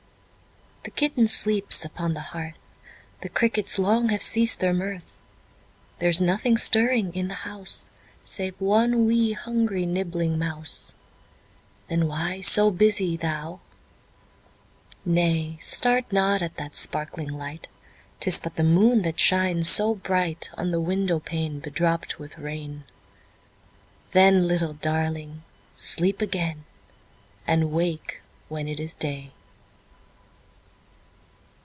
The kitten sleeps upon the hearth, The crickets long have ceased their mirth; There's nothing stirring in the house Save one 'wee', hungry, nibbling mouse, Then why so busy thou? 10 Nay! start not at that sparkling light; 'Tis but the moon that shines so bright On the window pane bedropped with rain: Then, little Darling! sleep again, And wake when it is day.